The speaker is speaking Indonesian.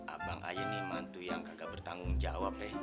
abang ayan iman tuh yang kagak bertanggung jawab be